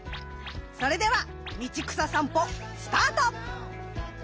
それでは道草さんぽスタート！